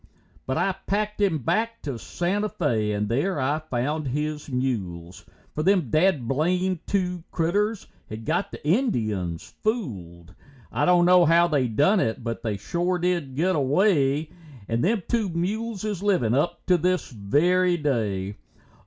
But I packed him back to Santa Fé and there I found his mules, For them dad blamed two critters had got the Indians fooled. I don't know how they done it, but they shore did get away, And them two mules is livin' up to this very day.